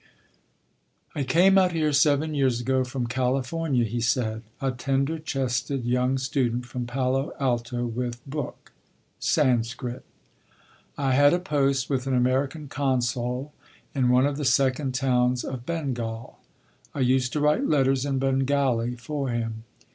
"I came out here seven years ago from California," he said. "A tender chested young student from Palo Alto with book Sanscrit. I had a post with an American consul in one of the second towns of Bengal. I used to write letters in Bengali for him.